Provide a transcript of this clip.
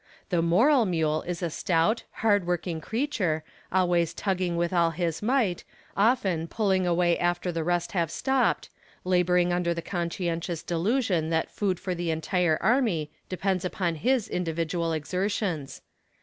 The moral mule is a stout, hardworking creature, always tugging with all his might, often pulling away after the rest have stopped, laboring under the conscientious delusion that food for the entire army depends upon his individual exertions.